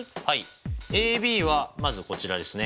ＡＢはまずこちらですね。